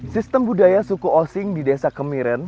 sistem budaya suku osing di desa kemiren